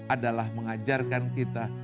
adalah mengajarkan kita